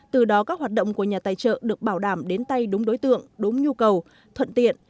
từ đó các hoạt động của nhà tài trợ được bảo đảm đến tay đúng đối tượng đúng nhu cầu thuận tiện